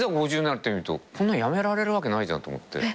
なってみるとやめられるわけないじゃんと思って。